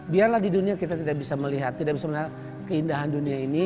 biarlah di dunia kita tidak bisa melihat tidak bisa melihat keindahan dunia ini